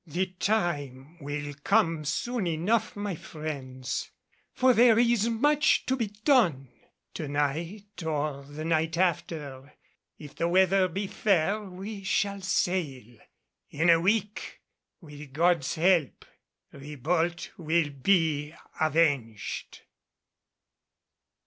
"The time will come soon enough, my friends, for there is much to be done. To night or the night after, if the weather be fair, we shall sail. In a week, with Gods help, Ribault will be avenged."